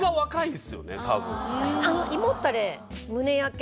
多分。